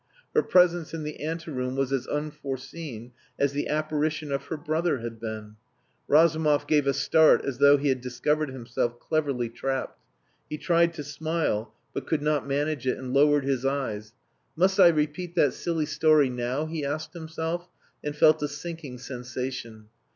Her presence in the ante room was as unforeseen as the apparition of her brother had been. Razumov gave a start as though he had discovered himself cleverly trapped. He tried to smile, but could not manage it, and lowered his eyes. "Must I repeat that silly story now?" he asked himself, and felt a sinking sensation.